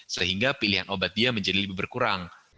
sehingga pilihan obat dia menjadi lebih berkurang